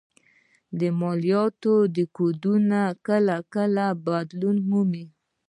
مالياتي کوډونه کله کله بدلون مومي